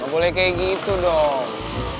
boleh kayak gitu dong